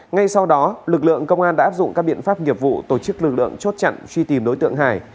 ngay sau đó lực lượng công an đã áp dụng các biện pháp nghiệp vụ tổ chức lực lượng chốt chặn truy tìm đối tượng hải